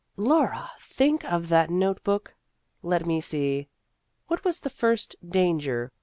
Laura, think of that note book ! Let me see what was the first " Danger